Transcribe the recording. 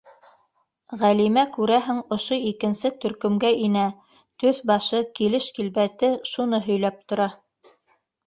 Ғәлимә, күрәһең, ошо икенсе төркөмгә инә: төҫ-башы, килеш-килбәте шуны һөйләп тора.